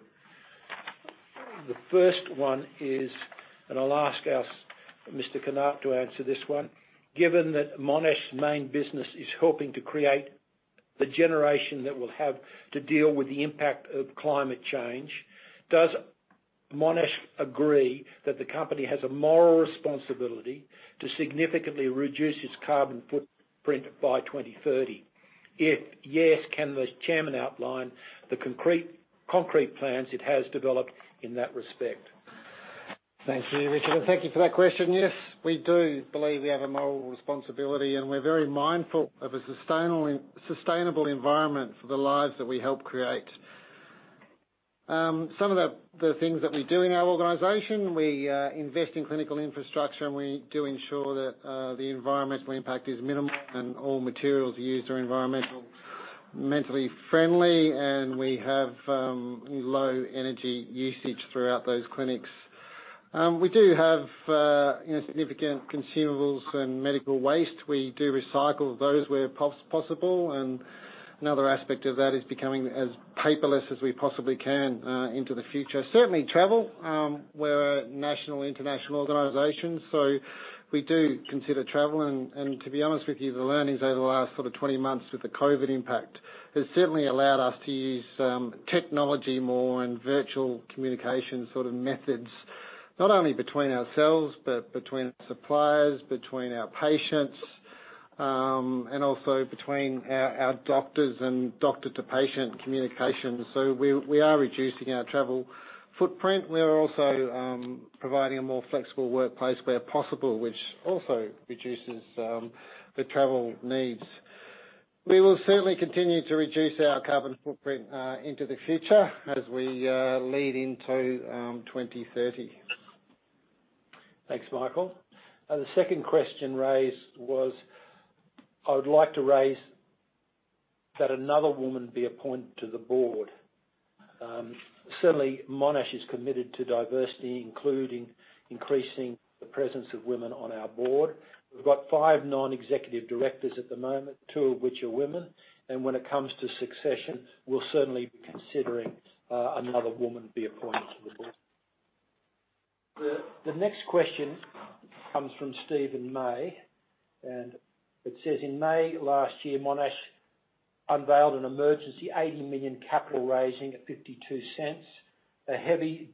The first one is, and I'll ask our Mr. Michael Knaap to answer this one. Given that Monash's main business is helping to create the generation that will have to deal with the impact of climate change, does Monash agree that the company has a moral responsibility to significantly reduce its carbon footprint by 2030? If yes, can the chairman outline the concrete plans it has developed in that respect? Thank you, Richard, and thank you for that question. Yes, we do believe we have a moral responsibility, and we're very mindful of a sustainable environment for the lives that we help create. Some of the things that we do in our organization, we invest in clinical infrastructure, and we do ensure that, The environmental impact is minimal and all materials used are environmentally friendly, and we have low energy usage throughout those clinics. We do have you know, significant consumables and medical waste. We do recycle those where possible, and another aspect of that is becoming as paperless as we possibly can into the future. Certainly travel, we're a national international organization, so we do consider travel and to be honest with you, the learnings over the last sort of 20 months with the COVID impact has certainly allowed us to use technology more and virtual communication sort of methods, not only between ourselves, but between suppliers, between our patients, and also between our doctors and doctor to patient communication. We are reducing our travel footprint. We are also providing a more flexible workplace where possible, which also reduces the travel needs. We will certainly continue to reduce our carbon footprint into the future as we lead into 2030. Thanks, Michael. The second question raised was, I would like to raise that another woman be appointed to the board. Certainly Monash is committed to diversity, including increasing the presence of women on our board. We've got five non-executive directors at the moment, two of which are women, and when it comes to succession, we'll certainly be considering another woman be appointed to the board. The next question comes from Stephen Mayne, and it says, "In May last year, Monash unveiled an emergency 80 million capital raising at 0.52. A heavy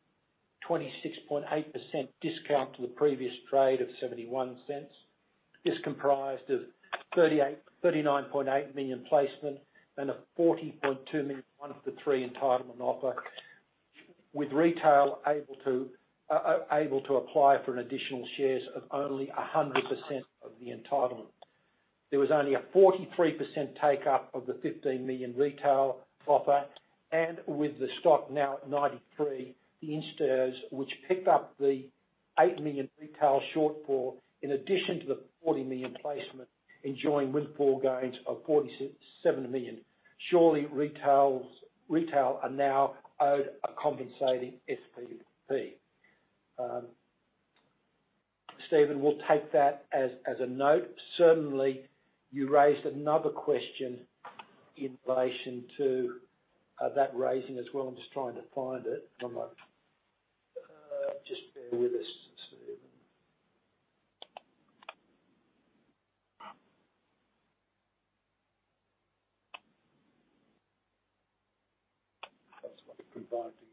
26.8% discount to the previous trade of 0.71 is comprised of 39.8 million placement and a 40.2 million one for three entitlement offer, with retail able to apply for additional shares of only 100% of the entitlement". There was only a 43% take up of the 15 million retail offer, and with the stock now at 0.93, the INSTOs which picked up the 8 million retail shortfall, in addition to the 40 million placement, enjoying windfall gains of 47 million. Surely retail are now owed a compensating SPP. Stephen, we'll take that as a note. Certainly you raised another question in relation to that raising as well. I'm just trying to find it. One moment. Just bear with us, Stephen. That's what we put together.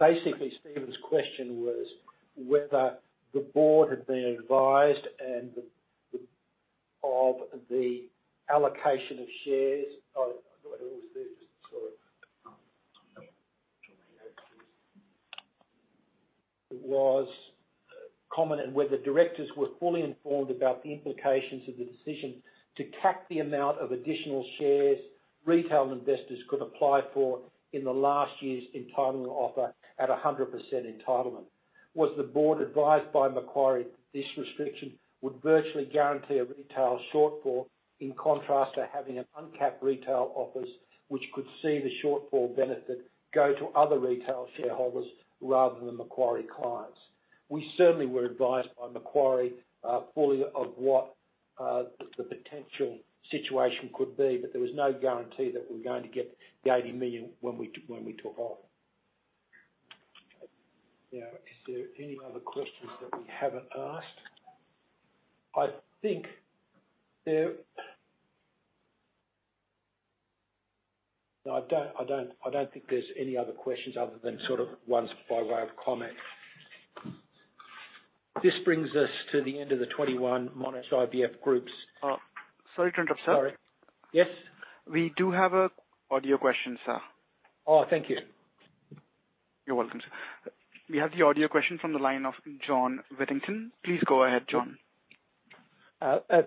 Basically, Stephen's question was whether the board had been advised of the allocation of shares. Oh, I thought it was there, just saw it. 28 it is. Was commented whether directors were fully informed about the implications of the decision to cap the amount of additional shares retail investors could apply for in last year's entitlement offer at a 100% entitlement. Was the board advised by Macquarie this restriction would virtually guarantee a retail shortfall, in contrast to having an uncapped retail offers which could see the shortfall benefit go to other retail shareholders rather than Macquarie clients? We certainly were advised by Macquarie fully of what the potential situation could be, but there was no guarantee that we were going to get the 80 million when we took off. Now, is there any other questions that we haven't asked? No, I don't think there's any other questions other than sort of ones by way of comment. This brings us to the end of the 2021 Monash IVF Group's Sorry to interrupt, sir. Sorry. Yes. We do have an audio question, sir. Oh, thank you. You're welcome, sir. We have the audio question from the line of John Whittington. Please go ahead, John.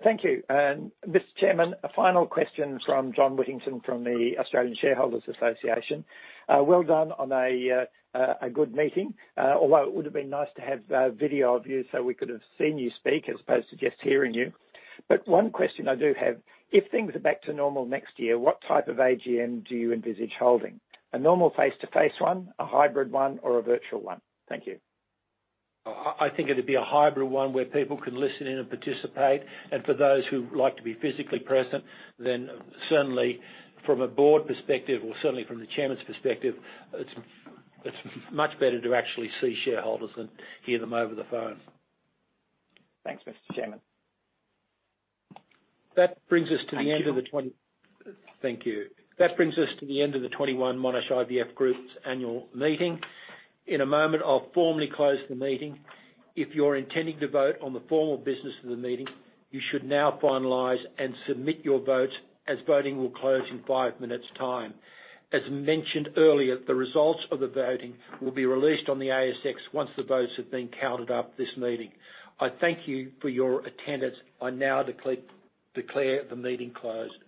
Thank you. Mr. Chairman, a final question from John Whittington from the Australian Shareholders' Association. Well done on a good meeting. Although it would've been nice to have video of you so we could have seen you speak as opposed to just hearing you. One question I do have, if things are back to normal next year, what type of AGM do you envisage holding? A normal face-to-face one, a hybrid one, or a virtual one? Thank you. I think it'd be a hybrid one where people can listen in and participate. For those who like to be physically present, then certainly from a board perspective or certainly from the chairman's perspective, it's much better to actually see shareholders than hear them over the phone. Thanks, Mr. Chairman. That brings us to the end. Thank you. Thank you. That brings us to the end of the 2021 Monash IVF Group annual meeting. In a moment, I'll formally close the meeting. If you're intending to vote on the formal business of the meeting, you should now finalize and submit your votes, as voting will close in five minutes' time. As mentioned earlier, the results of the voting will be released on the ASX once the votes have been counted at this meeting. I thank you for your attendance. I now declare the meeting closed.